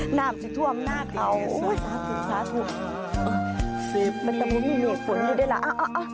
หน้ามสุดท่วมหน้าเขาซ้าถูกซ้าถูกมันต้องไม่มีฝนนี่ด้วยล่ะอ่ะอ่ะอ่ะ